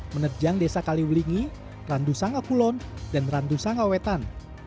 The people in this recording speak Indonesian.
menerjang desa kaliwelingi randusangakulon dan randusangawetan